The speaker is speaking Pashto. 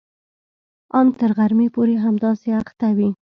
ان تر غرمې پورې همداسې اخته وي.